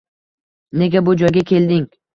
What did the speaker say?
Nega bu joyga kelding?